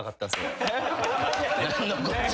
何のこっちゃ。